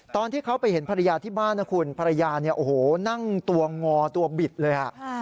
ตอนที่เขาไปเห็นภรรยาที่บ้านนะคุณภรรยานั่งตัวงอตัวบิดเลยค่ะ